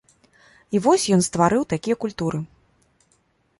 І вось ён стварыў такія культуры.